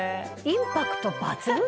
インパクト抜群。